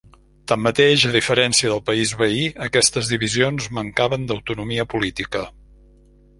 Tanmateix, a diferència del país veí, aquestes divisions mancaven d'autonomia política.